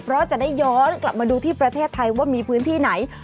เพราะจะได้ย้อนกลับมาดูที่ประเทศไทยว่ามีพื้นที่ไหน